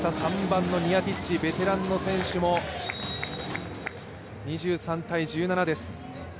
３番のニヤティッチベテランの選手、２３−１７です。